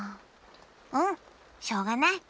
うんしょうがない。